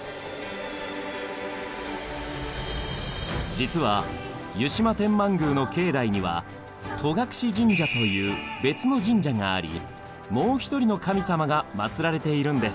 実は湯島天満宮の境内には戸隠神社という別の神社がありもう一人の神様がまつられているんです。